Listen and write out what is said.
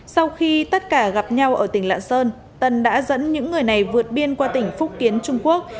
sau khi tất cả gặp nhau ở tỉnh lạng sơn tân đã dẫn những người này vượt biên qua tỉnh phúc kiến trung quốc